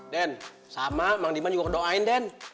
den sama mang diman juga doain den